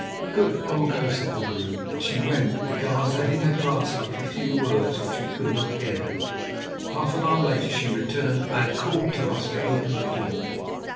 "Good, I will go," said the vrouw, and she went, the guards letting her pass after a few words which we could not hear. Half an hour later she returned and called to us to open the door.